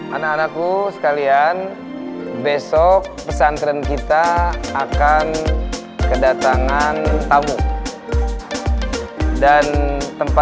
anak anakku sekalian besok pesantren kita akan kedatangan tamu dan tempat